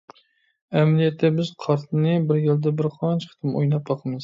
ئەمەلىيەتتە، بىز قارتىنى بىر يىلدا بىرقانچە قېتىم ئويناپ باقىمىز.